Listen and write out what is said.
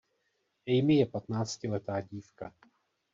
Amy je patnáctiletá dívka.